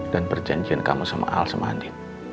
dan perjanjian kamu sama al sama andi